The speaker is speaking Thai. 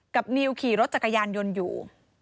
นิวขี่รถจักรยานยนต์อยู่